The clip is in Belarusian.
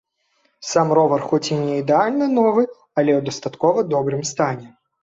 Сам ровар хоць і не ідэальна новы, але ў дастаткова добрым стане.